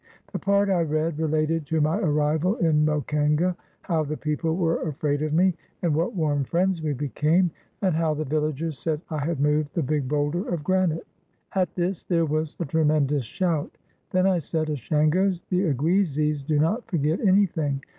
The part I read related to my arrival in Mokenga; how the people were afraid of me, and what warm friends we became, and how the villagers said I had moved the big boulder of granite. At this there was a tremendous shout. Then I said, "Ashangos, the Oguizis do not forget any thing.